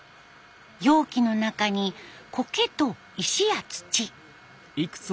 容器の中にコケと石や土。